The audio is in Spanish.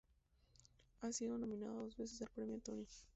Ha sido nominada dos veces al Premio Tony.